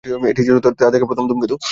এটিই ছিল তার দেখা প্রথম ধূমকেতু।